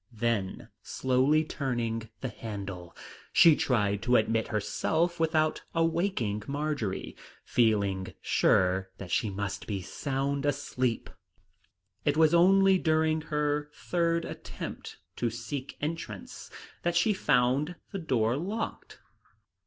Then, slowly turning the handle, she tried to admit herself without awaking Marjory, feeling sure that she must be sound asleep. It was only during her third attempt to seek entrance that she found the door locked.